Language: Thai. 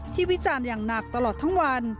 วิจารณ์อย่างหนักตลอดทั้งวัน